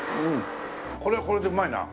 これはこれでうまいな。